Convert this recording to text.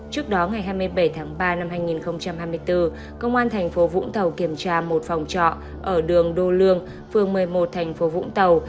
trước đó ngày hai mươi bảy tháng ba năm hai nghìn hai mươi bốn công an thành phố vũng tàu kiểm tra một phòng trọ ở đường đô lương phường một mươi một thành phố vũng tàu